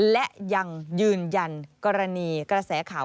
และยังยืนยันกรณีกระแสข่าว